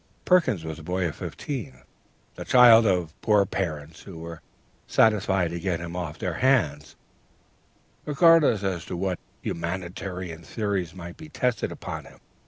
Perkins was a boy of fifteen, the child of poor parents, who were satisfied to get him off their hands, regardless as to what humanitarian theories might be tested upon him.